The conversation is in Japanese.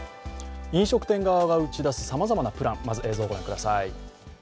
飲食店側が打ち出すさまざまなプラン、まず映像を御覧ください。